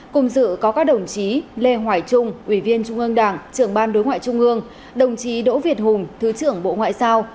cùng dự có các đồng chí lê hoài trung ủy viên trung ương đảng trưởng ban đối ngoại trung ương đồng chí đỗ việt hùng thứ trưởng bộ ngoại giao